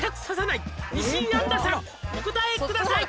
「お答えください」